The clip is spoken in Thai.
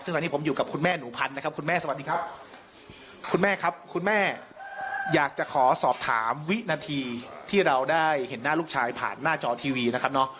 ซึ่งตอนนี้ผมอยู่กับคุณแม่หนูพันธ์นะครับคุณแม่สวัสดีครับคุณแม่ครับคุณแม่อยากจะขอสอบถามวินาทีที่เราได้เห็นหน้าลูกชายผ่านหน้าจอทีวีนะครับเนาะ